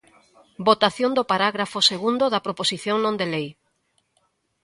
Votación do parágrafo segundo da Proposición non de lei.